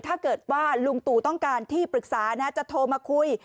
ถ้าเกิดว่าลุงตู่ต้องการที่ปรึกษานะจะโทรมาคุย